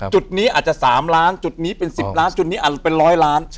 จุดนี้อาจจะ๓ล้านจุดนี้เป็น๑๐ล้านจุดนี้อาจจะเป็นร้อยล้าน